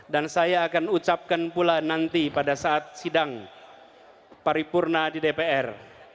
dan saya akan ucapkan pula nanti pada saat sidang paripurna di dpr